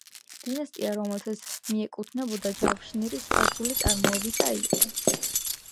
დინასტია, რომელსაც მიეკუთვნებოდა ჯავანშირი სპარსული წარმოშობისა იყო.